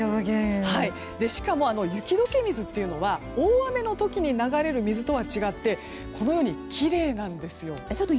しかも雪解け水というのは大雨の時に流れる水と違いこのようにきれいなんですよ。